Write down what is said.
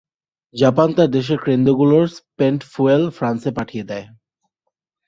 Japan তার দেশের কেন্দ্রগুলোর স্পেন্ট ফুয়েল ফ্রান্সে পাঠিয়ে দেয়।